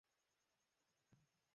বাবা মায়ের কী হবে?